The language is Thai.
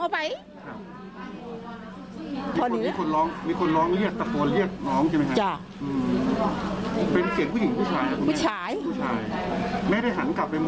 เบา